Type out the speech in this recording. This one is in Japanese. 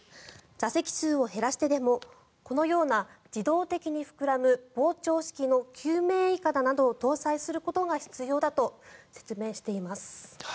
座席数を減らしてでもこのような自動的に膨らむ膨張式の救命いかだなどを搭載することが必要だと説明しています。